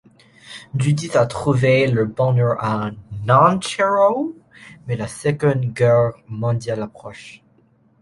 Judith a trouvé le bonheur à Nancherrow, mais la Seconde Guerre mondiale approche.